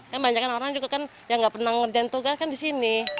kan banyak orang juga kan yang nggak pernah ngerjain tugas kan disini